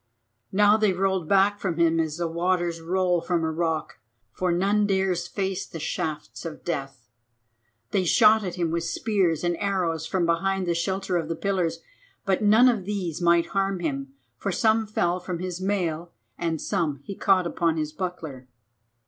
Now they rolled back from him as the waters roll from a rock, for none dares face the shafts of death. They shot at him with spears and arrows from behind the shelter of the pillars, but none of these might harm him, for some fell from his mail and some he caught upon his buckler.